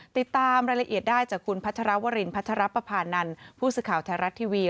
ติดตามรายละเอียดได้จากคุณพัชรวรินพัชรปภานันทร์ผู้สื่อข่าวไทยรัฐทีวี